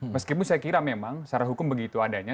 meskipun saya kira memang secara hukum begitu adanya